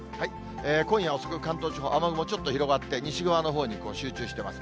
今夜遅く、関東地方、雨雲、ちょっと広がって、西側のほうに集中してます。